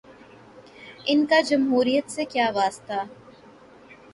ان کا جمہوریت سے کیا واسطہ۔